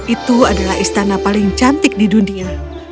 itu adalah istana paling cantik di dunia